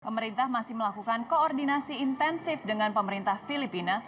pemerintah masih melakukan koordinasi intensif dengan pemerintah filipina